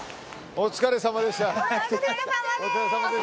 お疲れさまでした。